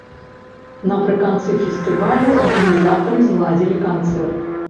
Напрыканцы фестывалю арганізатары зладзілі канцэрт.